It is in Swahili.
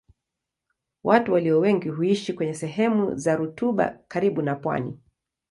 Watu walio wengi huishi kwenye sehemu za rutuba karibu na pwani.